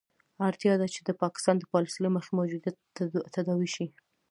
اړتیا ده چې د پاکستان د پالیسي له مخې موجودیت تداوي شي.